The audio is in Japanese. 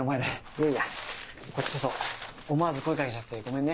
いやいやこっちこそ思わず声掛けちゃってごめんね。